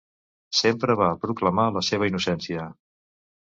Sempre va proclamar la seva innocència.